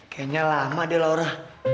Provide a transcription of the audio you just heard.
kayaknya lama deh laura